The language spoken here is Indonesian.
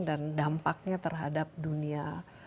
dan dampaknya terhadap dunia